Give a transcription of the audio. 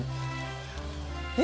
え？